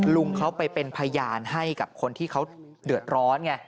ลุงเขาไปเป็นพยานให้กับคนที่เขาเดือดร้อนไง